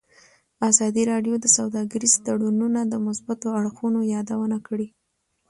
ازادي راډیو د سوداګریز تړونونه د مثبتو اړخونو یادونه کړې.